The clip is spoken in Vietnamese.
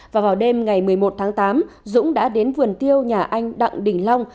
và vào đêm ngày một mươi một tháng tám dũng đã đến vườn tiêu nhà anh đặng đình long